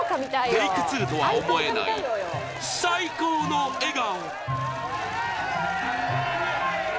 テイク２とは思えない最高の笑顔。